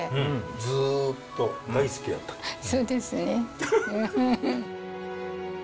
ずっと大好きやったんや。